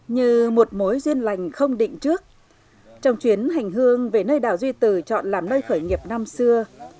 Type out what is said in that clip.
như một mối duyên lành không định trước trong chuyến hành hương về nơi đào duy từ chọn làm nơi khởi nghiệp năm xưa